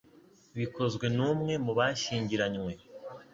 bikozwe n umwe mu bashyingiranywe